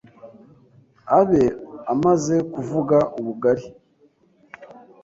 abe amaze kuvuga ubugari,